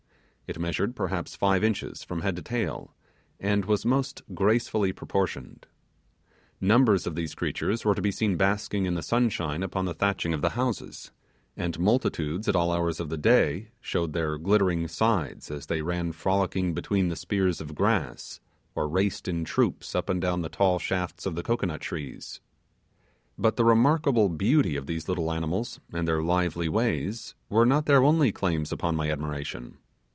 It measured perhaps five inches from head to tail, and was most gracefully proportioned. Numbers of those creatures were to be seen basking in the sunshine upon the thatching of the houses, and multitudes at all hours of the day showed their glittering sides as they ran frolicking between the spears of grass or raced in troops up and down the tall shafts of the cocoanut trees. But the remarkable beauty of these little animals and their lively ways were not their only claims upon my admiration.